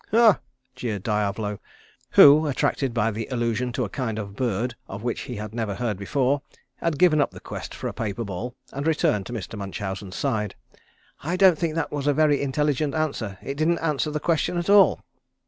'" "Hoh" jeered Diavolo, who, attracted by the allusion to a kind of bird of which he had never heard before, had given up the quest for a paper ball and returned to Mr. Munchausen's side, "I don't think that was a very intelligent answer. It didn't answer the question at all."